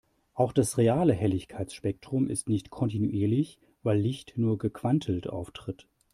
Auch das reale Helligkeitsspektrum ist nicht kontinuierlich, weil Licht nur gequantelt auftritt.